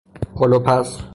پلو پز